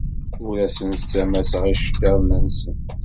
Ur asen-ssamaseɣ iceḍḍiḍen-nsen.